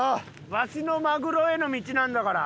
わしのマグロへの道なんだから。